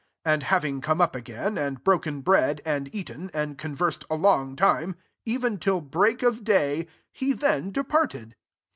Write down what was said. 11 And having come up again, and broken bread, and eaten, and conversed a long time, even till break of day, he then departed.